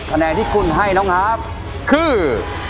คะแนนที่คุณให้น้องอาร์ฟคือ